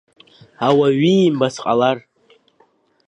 Ауаҩ иимбац ҟалар…